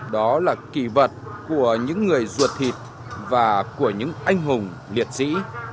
đó là kỳ vật của những người ruột thịt và của những anh hùng liệt sĩ